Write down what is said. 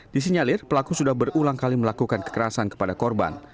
disinyalir pelaku sudah berulang kali melakukan kekerasan kepada korban